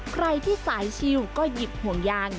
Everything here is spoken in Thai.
ใครที่สายชิวก็หยิบห่วงยาง